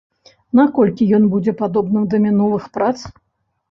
Наколькі ён будзе падобным да мінулых прац?